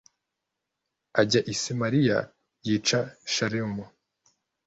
ajya i Samariya yica Shalumu